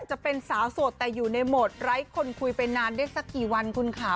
จะเป็นสาวโสดแต่อยู่ในโหมดไร้คนคุยไปนานได้สักกี่วันคุณค่ะ